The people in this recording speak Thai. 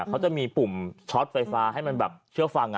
เขาจะมีปุ่มช็อตไฟฟ้าให้มันแบบเชื่อฟัง